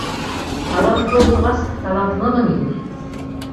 Талантлы булғас, талантлымын инде.